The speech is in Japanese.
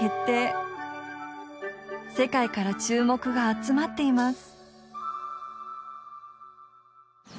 世界から注目が集まっています。